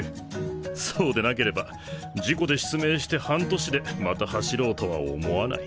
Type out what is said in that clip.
そうでなければ事故で失明して半年でまた走ろうとは思わない。